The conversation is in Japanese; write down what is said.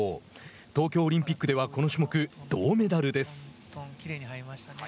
東京オリンピックではこの種目、銅メダルです。